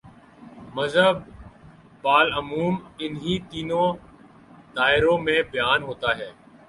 مذہب بالعموم انہی تینوں دائروں میں بیان ہوتا ہے۔